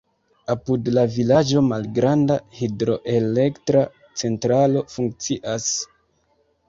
Apud la vilaĝo malgranda hidroelektra centralo funkcias.